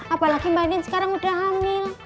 apalagi mbak adin sekarang udah hamil